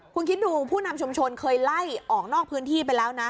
คุณคิดดูผู้นำชุมชนเคยไล่ออกนอกพื้นที่ไปแล้วนะ